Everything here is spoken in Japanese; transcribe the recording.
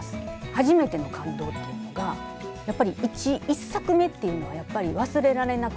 はじめての感動というのがやっぱり１作目っていうのはやっぱり忘れられなくなると思うので。